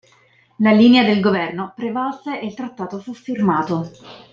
La linea del governo prevalse e il trattato fu firmato.